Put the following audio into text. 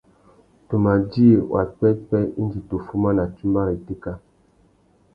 Tu ma djï wapwêpwê indi tu fuma na tsumba râ itéka.